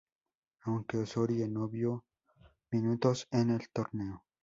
Aunque Osorio no vio minutos en el torneo.